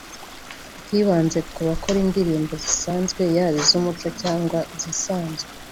twibanze ku bakora indirimbo zisanzwe yaba iz’umuco cyangwa izisanzwe